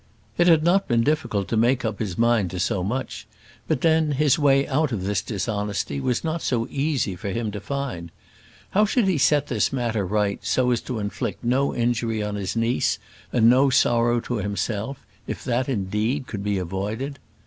It had not been difficult to make up his mind to so much; but then, his way out of this dishonesty was not so easy for him to find. How should he set this matter right so as to inflict no injury on his niece, and no sorrow to himself if that indeed could be avoided?